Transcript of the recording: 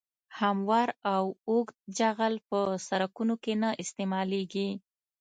هموار او اوږد جغل په سرکونو کې نه استعمالیږي